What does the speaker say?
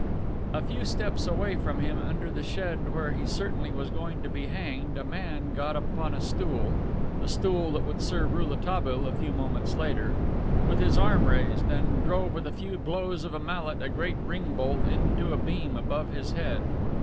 A few steps away from him under the shed where he certainly was going to be hanged, a man got upon a stool (the stool that would serve Rouletabille a few moments later) with his arm raised, and drove with a few blows of a mallet a great ring bolt into a beam above his head.